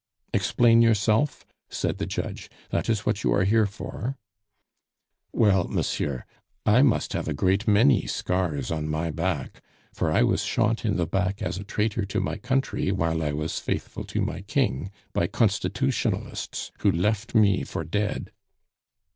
"Explain yourself," said the judge, "that is what you are here for." "Well, monsieur, I must have a great many scars on my back, for I was shot in the back as a traitor to my country while I was faithful to my King, by constitutionalists who left me for dead."